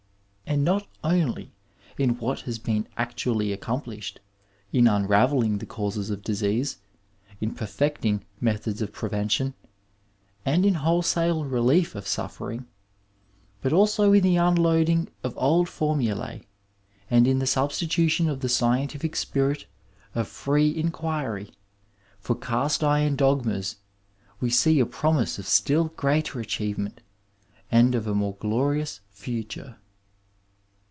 And not only in what has been actually accomplished in unravelling the causes of disease, in perfecting methods of prevention, and in wholesale relief of suffering, but also in the un loading of old formulae and in the substitution of the scientific spirit of free inquiry for cast iron dogmas we see a promise of still greater achievement and of a more glorious future.